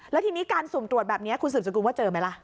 แล้วทีนี้การส่งตรวจแบบนี้คุณศูนย์จังกลุ่มว่าเจอไหมล่ะ